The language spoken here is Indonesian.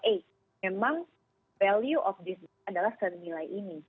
eh memang value of this brand adalah senilai ini